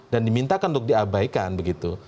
dan dimintakan untuk diabaikan begitu